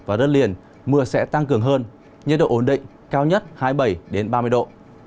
và đất liền mưa sẽ tăng cường hơn nhiệt độ ổn định cao nhất hai mươi bảy ba mươi độ